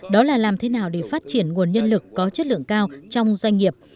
đó là làm thế nào để phát triển nguồn nhân lực có chất lượng cao trong doanh nghiệp